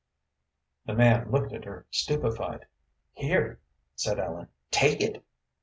The man looked at her stupefied. "Here," said Ellen; "take it."